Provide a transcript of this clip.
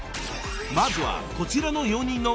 ［まずはこちらの４人の］